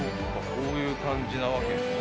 こういう感じなわけですね。